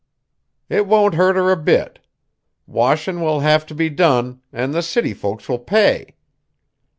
It won't hurt her a mite. Washin' will have t' be done, an' the city folks will pay.